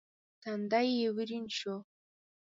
تندی يې ورين شو.